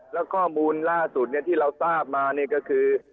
แล้วข้อมูลล่าสุดที่เราทราบมาก็คือ